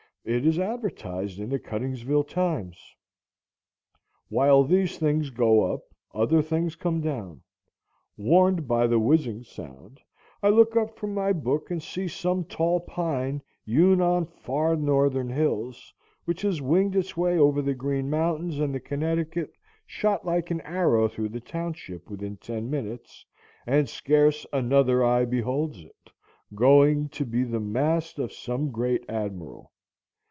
It is advertised in the Cuttingsville Times. While these things go up other things come down. Warned by the whizzing sound, I look up from my book and see some tall pine, hewn on far northern hills, which has winged its way over the Green Mountains and the Connecticut, shot like an arrow through the township within ten minutes, and scarce another eye beholds it; going "to be the mast Of some great ammiral."